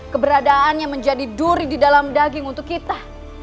keberadaan yang menjadi duri di dalam daging untuk kita